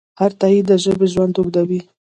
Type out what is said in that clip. هر تایید د ژبې ژوند اوږدوي.